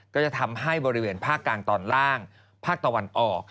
ก็จะทำให้บริเวณภาคกลางตอนล่างภาคตะวันออก